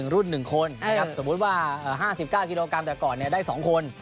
รุ่น๑คนนะครับสมมุติว่า๕๙กิโลกรัมแต่ก่อนได้๒คน